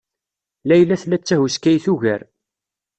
Layla tella d tahuskayt ugar.